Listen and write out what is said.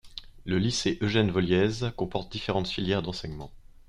Le lycée Eugène Woillez comporte différentes filières d’enseignements.